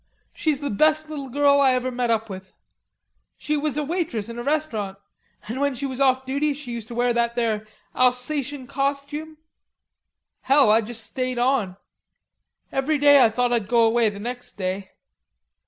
She's the best little girl I ever met up with. She was waitress in a restaurant, an' when she was off duty she used to wear that there Alsatian costume.... Hell, I just stayed on. Every day, I thought I'd go away the next day....